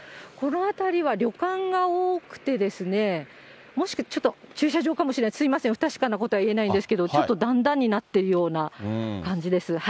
この辺りは旅館が多くて、もしくは、ちょっと駐車場かもしれない、すみません、不確かなことは言えないんですけど、ちょっと段々になっているような感じです。